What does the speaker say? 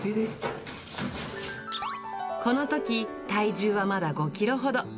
このとき、体重はまだ５キロほど。